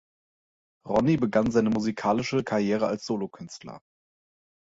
Ronnie begann seine musikalische Karriere als Solokünstler.